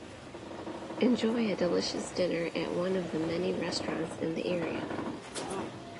Enjoy a delicious dinner at one of the many restaurants in the area.